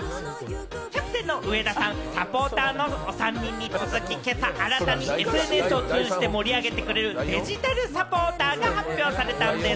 キャプテンの上田さん、サポーターのおさんにんに続き、今朝、新たにＳＮＳを通じて盛り上げてくれるデジタルサポーターが発表されたんでぃす！